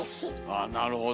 あなるほど。